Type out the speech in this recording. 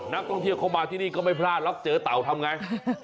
นักท่องเที่ยวเข้ามาที่นี่ก็ไม่พลาดหรอกเจอเต่าทำไง